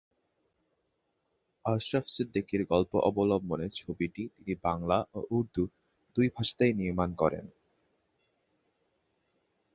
আশরাফ সিদ্দিকীর গল্প অবলম্বনে ছবিটি তিনি বাংলা ও উর্দু দুই ভাষাতেই নির্মাণ করেন।